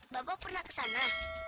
bapak pernah ke sana